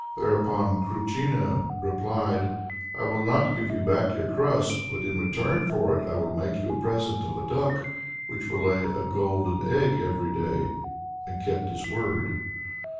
Thereupon Kruchìna replied, "I will not give you back your crust, but in return for it I will make you a present of a duck which will lay a golden egg every day," and kept his word.